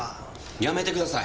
やめてください。